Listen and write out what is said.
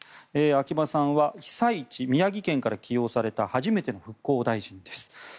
秋葉さんは被災地・宮城県から起用された初めての復興大臣です。